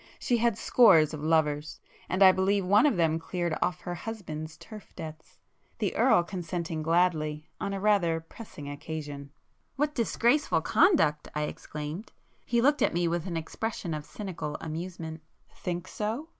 She had scores of lovers,—and I believe one of them cleared off her husband's turf debts,—the Earl consenting gladly,—on a rather pressing occasion." "What disgraceful conduct!" I exclaimed. He looked at me with an expression of cynical amusement. "Think so?